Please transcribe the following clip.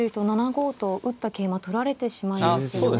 ７五と打った桂馬取られてしまいますよね。